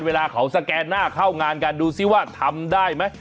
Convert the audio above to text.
เวลาเขาสแกนหน้าเข้างานกันดูซิว่าทำได้ไหม